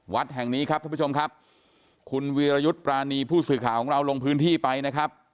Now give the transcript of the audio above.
วัดแห่งนี้ครับท่านผู้ชมครับคุณวีรยุทธ์ปรานีผู้สื่อข่าวของเราลงพื้นที่ไปนะครับ